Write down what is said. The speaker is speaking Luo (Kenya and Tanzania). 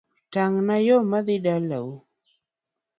Tangna yoo madhi dala u